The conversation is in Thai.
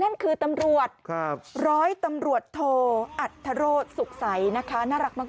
นั่นคือตำรวจร้อยตำรวจโทอัธโรธสุขใสนะคะน่ารักมาก